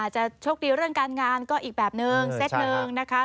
จะโชคดีเรื่องการงานก็อีกแบบนึงเซตหนึ่งนะคะ